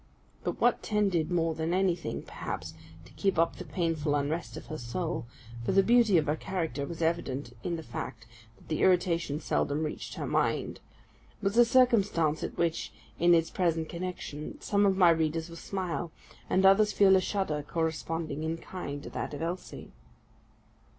But what tended more than anything, perhaps, to keep up the painful unrest of her soul (for the beauty of her character was evident in the fact that the irritation seldom reached her mind), was a circumstance at which, in its present connection, some of my readers will smile, and others feel a shudder corresponding in kind to that of Elsie.